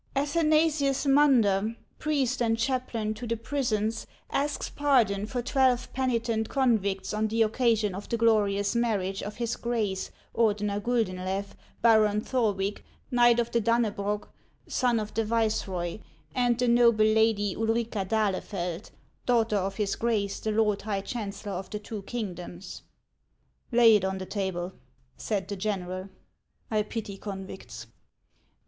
Athanasius M under, priest and chaplain to the prisons, asks pardon for twelve penitent convicts on the occasion of the glorious marriage of his Grace, Ordener Guldenlew, Baron Thorwick, Knight of the Dannebrog, son of the viceroy, and the noble lady Ulrica d'Ahlefeld, daughter of his Grace the lord high chancellor of the two kingdoms." " Lay it on the table," said the general. " I pity convicts."